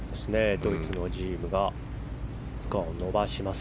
ドイツのジームがスコアを伸ばします。